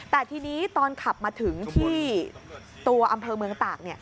แต่ทีนี้ตอนขับมาถึงที่ตัวอำเภอเมืองตาก